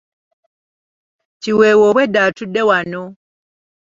Kiweewa obwedda atudde wano.